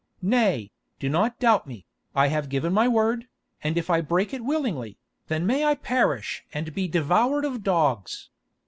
Nay, do not doubt me. I have given my word, and if I break it willingly, then may I perish and be devoured of dogs.